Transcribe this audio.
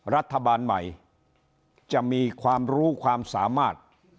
รัฐบาลใหม่จะมีความรู้ความสามารถ